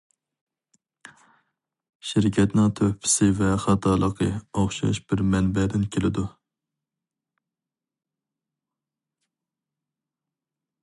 شىركەتنىڭ تۆھپىسى ۋە خاتالىقى ئوخشاش بىر مەنبەدىن كېلىدۇ.